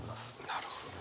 なるほど。